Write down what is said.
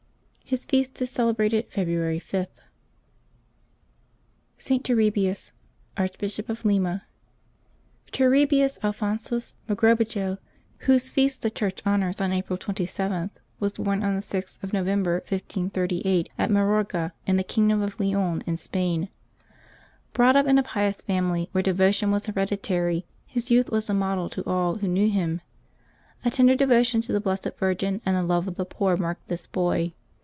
His feast is celebrated February 5th. ST. TURRIBIUS, Archbishop of Lima. CURRiBius Alphonsus Mogrobejo, whose feast the Church honors on April 27th, was born on the 6th of November, 1538, at Mayorga in the kingdom of Leon in Spain. Brought up in a pious family where devotion was hereditary, his youth was a model to all who knew him. A tender devotion to the Blessed Virgin and a love of the poor marked this boy.